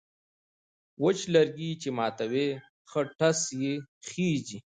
وچ لرگی چې ماتوې، ښه ټس یې خېژي.